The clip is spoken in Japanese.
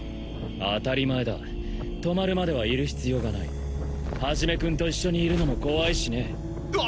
当たり前だ止まるまではいる必要がない一君と一緒にいるのも怖いしねわ